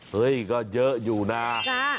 เฮ้ยก็เยอะอยู่นะ